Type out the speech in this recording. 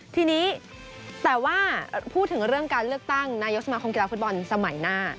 ทีนี้แต่ว่าพูดถึงเรื่องการเลือกตั้งนายกสมาคมกีฬาฟุตบอลสมัยหน้า